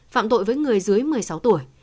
phạm tội với người dưới một mươi sáu tuổi